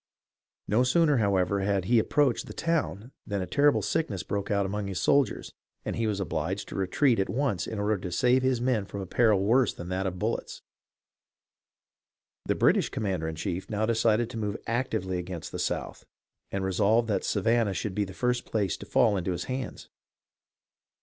No sooner, however, had he approached the town than a terrible sick ness broke out among his soldiers, and he was obliged to retreat at once in order to save his men from a peril worse than that of bullets. The British commander in chief now decided to move actively against the South, and resolved that Savannah should be the first place to fall into his hands.